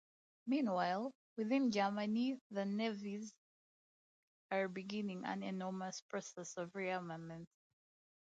Meanwhile, within Germany the Nazis are beginning an enormous process of rearmament.